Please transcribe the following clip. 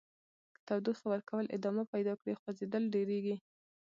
که تودوخې ورکول ادامه پیدا کړي خوځیدل ډیریږي.